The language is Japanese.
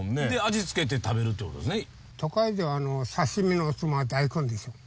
味付けて食べるってことですね。